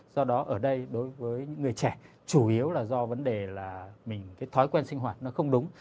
do đó ở đây đối với những người trẻ chủ yếu là do vấn đề là mình cái thói quen sinh hoạt nó không đúng